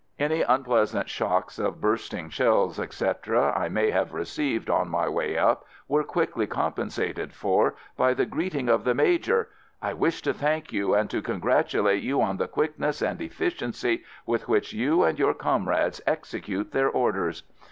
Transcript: Any unpleasant shocks of bursting shells, etc., I may have received on my way up were quickly compensated for by the greeting of the Major: — "I wish to thank you and to congratulate you on the quickness and efficiency with which you and your com rades execute their orders!"